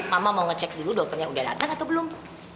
mama mau ngecek dulu dokternya udah datang atau belum